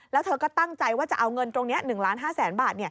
แล้วเธอก็ตั้งใจว่าจะเอาเงินตรงนี้๑ล้าน๕แสนบาท